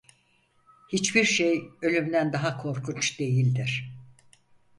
Hiçbir şey ölümden daha korkunç değildir!